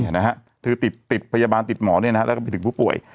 หรือติดพยาบาลติดหมอแล้วก็ไปถึงผู้ป่วย